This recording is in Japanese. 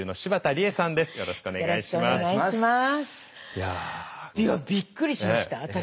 いやびっくりしました。